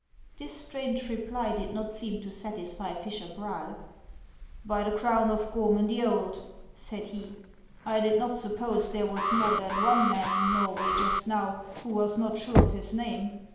This strange reply did not seem to satisfy fisher Braal. " By the crown of Gorman the Old," said he, " I did not suppose there was more than one man in Norway just now who was not sure of his name.